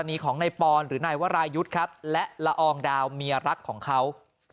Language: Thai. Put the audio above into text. มีของนายปอนหรือนายวรายุทธ์ครับและละอองดาวเมียรักของเขา